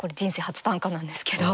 初短歌なんですけど。